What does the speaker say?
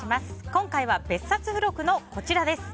今回は、別冊付録のこちらです。